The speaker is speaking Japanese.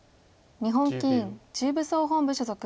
日本棋院中部総本部所属。